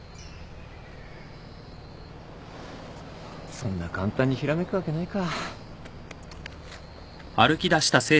そんな簡単にひらめくわけないか。